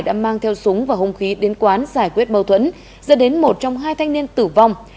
đã mang theo súng và hông khí đến quán giải quyết mâu thuẫn dẫn đến một trong hai thanh niên tử vong